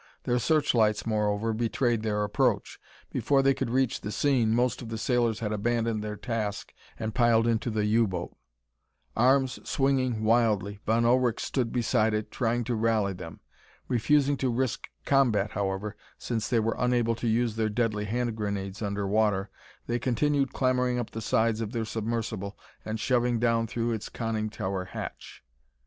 Their searchlights, moreover, betrayed their approach. Before they could reach the scene, most of the sailors had abandoned their task and piled into the U boat. Arms swinging wildly, Von Ullrich stood beside it, trying to rally then. Refusing to risk combat, however, since they were unable to use their deadly hand grenades under water, they continued clambering up the sides of their submersible and shoving down through its conning tower hatch.